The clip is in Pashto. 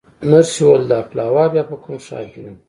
نرسې وویل: دا پلاوا بیا په کوم ښار کې ده؟